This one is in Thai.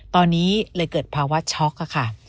ตอนนี้เลยเกิดภาวะช็อกค่ะ